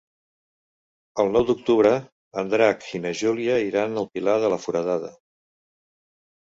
El nou d'octubre en Drac i na Júlia iran al Pilar de la Foradada.